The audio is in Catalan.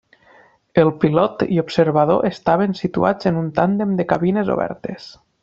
El pilot i observador estaven situats en un tàndem de cabines obertes.